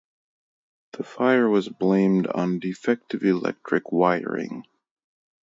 The fire was blamed on defective electric wiring.